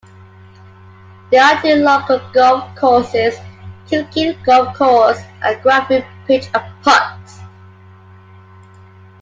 There are two local golf courses, Kilkeel Golf Course and Cranfield Pitch and Putt.